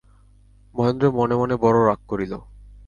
মহেন্দ্র মনে মনে বড়ো রাগ করিল।